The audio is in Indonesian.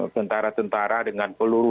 tentara tentara dengan peluru